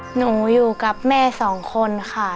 หนูอยู่กับแม่สองคนค่ะ